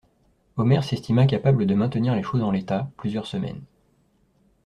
Omer s'estima capable de maintenir les choses en l'état, plusieurs semaines.